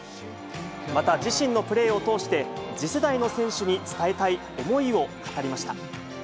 また、自身のプレーを通して、次世代の選手に伝えたい思いを語りました。